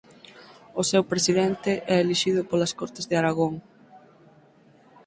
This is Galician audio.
O seu Presidente é elixido polas Cortes de Aragón.